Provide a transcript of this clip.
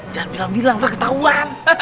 jangan bilang bilang ntar ketahuan